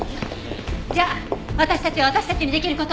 じゃあ私たちは私たちにできる事を。